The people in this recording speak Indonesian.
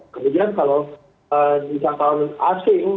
kemudian kalau wisata wisata asing